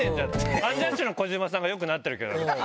アンジャッシュの児島さんがよくなってるけど。